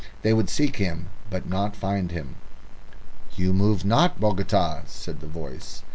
They would seek him, but not find him. "You move not, Bogota," said the voice.